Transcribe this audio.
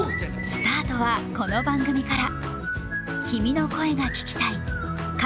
スタートは、この番組から。